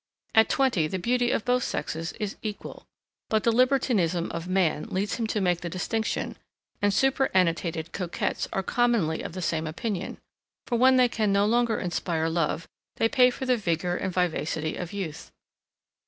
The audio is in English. At twenty the beauty of both sexes is equal; but the libertinism of man leads him to make the distinction, and superannuated coquettes are commonly of the same opinion; for when they can no longer inspire love, they pay for the vigour and vivacity of youth.